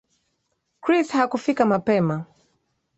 Chris hakufika mapema